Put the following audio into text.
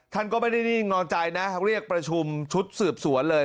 ท่านก็ไม่ได้นิ่งนอนใจนะเรียกประชุมชุดสืบสวนเลย